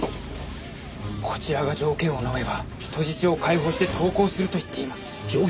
こちらが条件をのめば人質を解放して投降すると言っています。条件！？